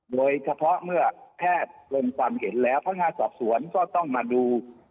โดยเฉพาะเมื่อแพทย์ลงความเห็นแล้วพนักงานสอบสวนก็ต้องมาดู